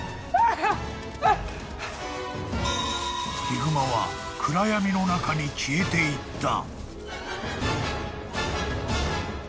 ［ヒグマは暗闇の中に消えていった］